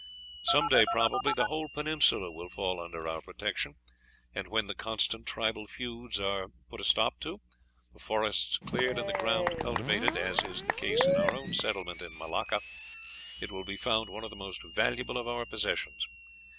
Some day, probably, the whole peninsula will fall under our protection, and when the constant tribal feuds are put a stop to, the forests cleared, and the ground cultivated, as is the case in our own settlement of Malacca, it will be found one of the most valuable of our possessions.